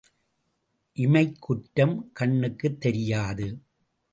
இமைக் குற்றம் கண்ணுக்குத் தெரியாது.